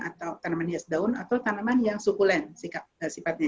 atau tanaman hias daun atau tanaman yang sukulen sifatnya